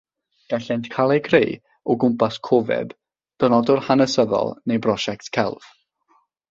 Gallant gael eu creu o gwmpas cofeb, dynodwr hanesyddol neu brosiect celf.